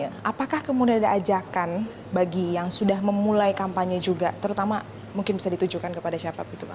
apakah kemudian ada ajakan bagi yang sudah memulai kampanye juga terutama mungkin bisa ditujukan kepada siapa begitu pak